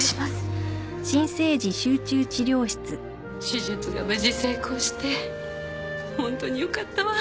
手術が無事成功してホントによかったわ